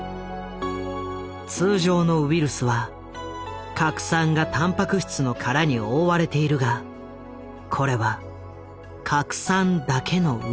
通常のウイルスは核酸がタンパク質の殻に覆われているがこれは核酸だけのウイルス。